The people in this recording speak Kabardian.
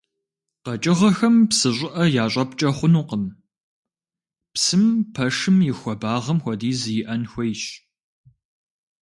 Къэкӏыгъэхэм псы щӏыӏэ ящӏэпкӏэ хъунукъым, псым пэшым и хуэбагъым хуэдиз иӏэн хуейщ.